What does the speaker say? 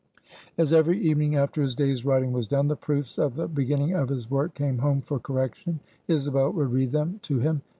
As every evening, after his day's writing was done, the proofs of the beginning of his work came home for correction, Isabel would read them to him.